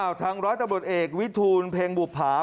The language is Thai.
ทางร้อยตำรวจเอกวิทูลเพลงบุภา